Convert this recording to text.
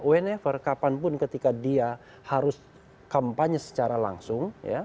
wnir kapanpun ketika dia harus kampanye secara langsung